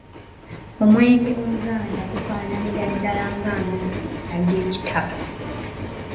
Omwenge Omuganda gufaananira dala ng’amazzi ag’ekitaba.